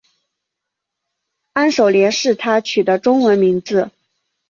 安守廉是他取的中文名字。